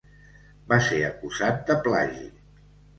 Va ser acusat de plagi.